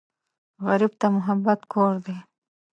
غریب ته محبت کور دی